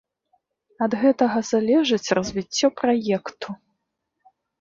Ад гэтага залежыць развіццё праекту.